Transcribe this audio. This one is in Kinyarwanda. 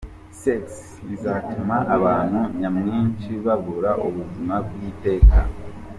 Sex izatuma abantu nyamwinshi babura ubuzima bw’iteka.